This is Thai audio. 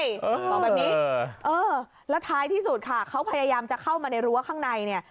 บอกแบบนี้เออแล้วท้ายที่สุดค่ะเขาพยายามจะเข้ามาในรั้วข้างในเนี่ย